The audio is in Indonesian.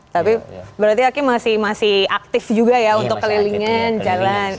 tapi berarti aki masih aktif juga ya untuk kelilingan jalan